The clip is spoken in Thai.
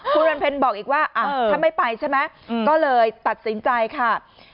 คุณวันเพ็ญบอกอีกว่าถ้าไม่ไปใช่ไหมก็เลยตัดสินใจค่ะ